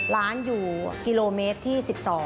ร้านอยู่กิโลเมตรที่๑๒